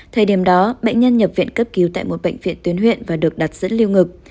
thời điểm đó bệnh nhân nhập viện cấp cứu tại một bệnh viện tuyến huyện và được đặt rất lưu ngực